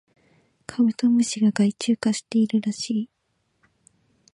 カブトムシが害虫化しているらしい